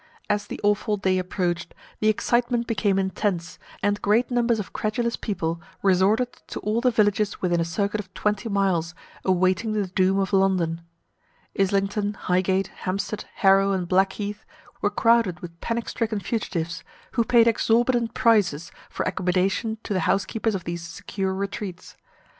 As the awful day approached, the excitement became intense, and great numbers of credulous people resorted to all the villages within a circuit of twenty miles, awaiting the doom of London. Islington, Highgate, Hampstead, Harrow, and Blackheath, were crowded with panic stricken fugitives, who paid exorbitant prices for accommodation to the housekeepers of these secure retreats.